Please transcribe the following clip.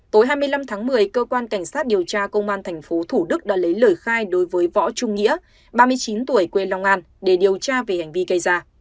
tối hai mươi năm tháng một mươi cơ quan cảnh sát điều tra công an tp thủ đức đã lấy lời khai đối với võ trung nghĩa ba mươi chín tuổi quê long an để điều tra về hành vi gây ra